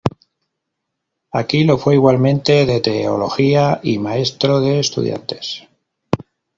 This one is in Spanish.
Aquí lo fue igualmente de teología y maestro de estudiantes.